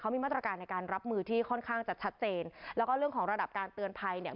มีมาตรการในการรับมือที่ค่อนข้างจะชัดเจนแล้วก็เรื่องของระดับการเตือนภัยเนี่ย